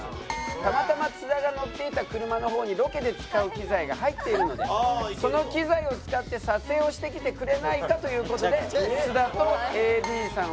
たまたま津田が乗っていた車の方にロケで使う機材が入っているのでその機材を使って撮影をしてきてくれないかという事で津田とＡＤさん